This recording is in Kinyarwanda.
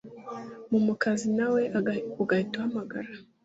mu mukazi nawe ugahita uhamagara